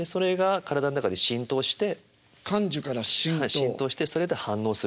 浸透してそれで反応する。